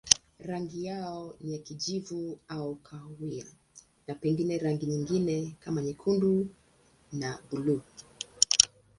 Rangi yao ni kijivu au kahawia na pengine rangi nyingine kama nyekundu na buluu.